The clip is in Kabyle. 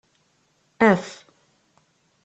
Af.